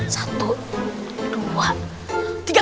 satu dua tiga